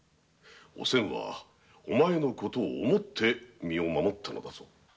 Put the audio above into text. おせんはお前のことを思って身を守ったのだぞ。